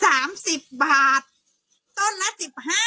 สามสิบบาท๑๐บาท